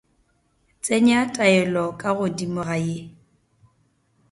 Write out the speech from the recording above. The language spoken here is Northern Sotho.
Tsenya taelo ka godimo ga ye.